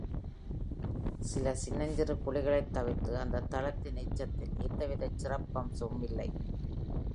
சில சின்னஞ்சிறு குழிகளைத் தவிர்த்து அந்தத் தளத்தின் எச்சத்தில் எந்தவிதச் சிறப்பம்சமும் இல்லை.